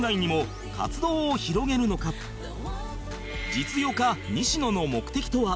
実業家西野の目的とは？